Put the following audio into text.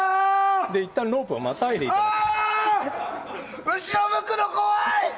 いったんロープをまたいでいただいて。